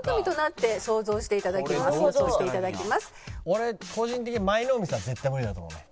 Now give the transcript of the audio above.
俺個人的に舞の海さん絶対無理だと思うね。